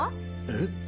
えっ？